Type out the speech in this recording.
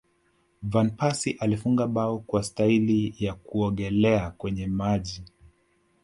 van persie alifunga bao kwa staili ya kuogelea kwenye maji